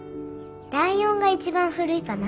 ライオンが一番古いかな。